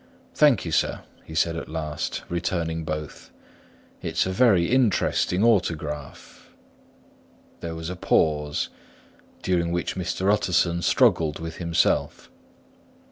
"Thank you, sir," he said at last, returning both; "it's a very interesting autograph." There was a pause, during which Mr. Utterson struggled with himself.